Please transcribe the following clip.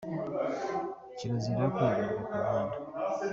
cyerazira kwihagarika ku muhanda